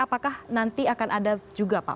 apakah nanti akan ada juga pak